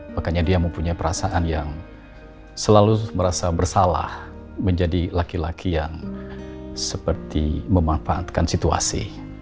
makanya dia mempunyai perasaan yang selalu merasa bersalah menjadi laki laki yang seperti memanfaatkan situasi